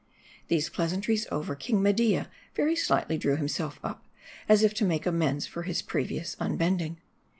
These pleasantries over, King Media very slightly drew himself up, as if to make amends for his previous unbending.